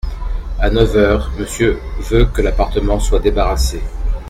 À neuf heures, Monsieur veut que l’appartement soi débarrassé.